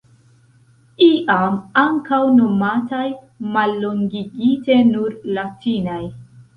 Iam ankaŭ nomataj mallongigite nur "latinaj".